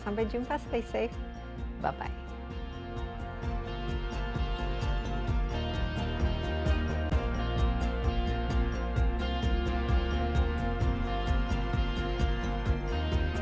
sampai jumpa stay safe bye bye